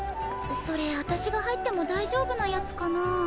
それ私が入っても大丈夫なやつかな？